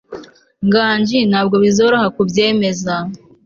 nganji ntabwo bizoroha kubyemeza